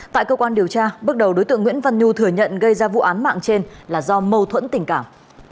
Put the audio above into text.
tại cơ quan điều tra bước đầu đối tượng nguyễn văn nhu thừa nhận gây ra vụ án mạng trên là do mâu thuẫn tình cảm